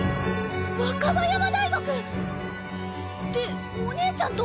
若葉山大学！ってお姉ちゃんと。